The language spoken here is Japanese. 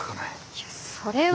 いやそれは。